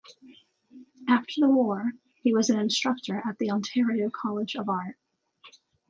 After the war, he was an instructor at the Ontario College of Art.